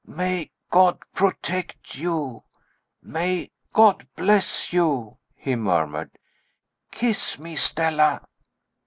"May God protect you! may God bless you!" he murmured. "Kiss me, Stella."